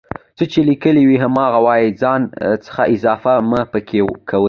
څه چې ليکلي وي هماغه وايئ ځان څخه اضافه مه پکې کوئ